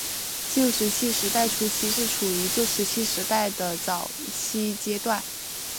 旧石器时代初期是处于旧石器时代的早期阶段。